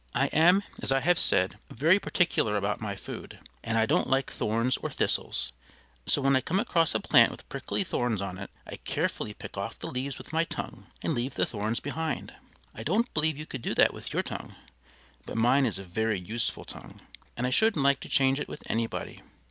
I am, as I have said, very particular about my food, and I don't like thorns or thistles, so when I come across a plant with prickly thorns on it, I carefully pick off the leaves with my tongue and leave the thorns behind. I don't believe you could do that with your tongue, but mine is a very useful tongue, and I shouldn't like to change it with anybody.